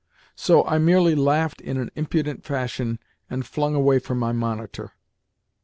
So, I merely laughed in an impudent fashion and flung away from my monitor.